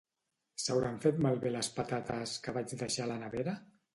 S'hauran fet malbé les patates que vaig deixar a la nevera?